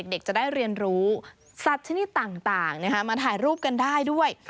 เด็กจะได้เรียนรู้สัตว์ชนิดต่างมาถ่ายรูปกันได้ด้วย